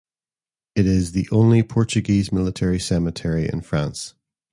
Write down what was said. It is the only Portuguese military cemetery in France.